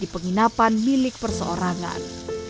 di penginapan milik perseorangan